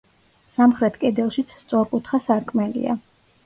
სამხრეთ კედელშიც სწორკუთხა სარკმელია.